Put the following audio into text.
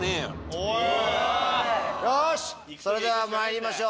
よしそれではまいりましょう。